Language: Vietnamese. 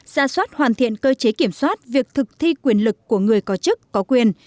ra soát hoàn thiện cơ chế kiểm soát việc thực thi quyền lực của người có chức có quyền